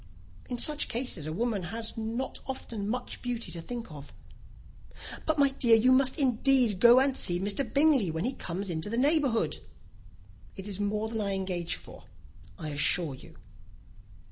"In such cases, a woman has not often much beauty to think of." "But, my dear, you must indeed go and see Mr. Bingley when he comes into the neighbourhood." "It is more than I engage for, I assure you."